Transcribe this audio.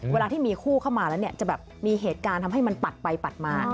เวลาที่มีคู่เข้ามาแล้วเนี่ยจะแบบมีเหตุการณ์ทำให้มันปัดไปปัดมา